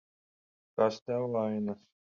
Kas tev vainas?